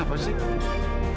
apa surat itu isinya